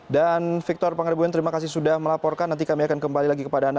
dan victor pangribunen terima kasih sudah melaporkan nanti kami akan kembali lagi kepada anda